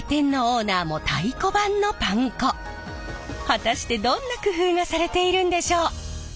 果たしてどんな工夫がされているんでしょう！